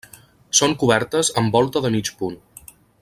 Són cobertes amb volta de mig punt.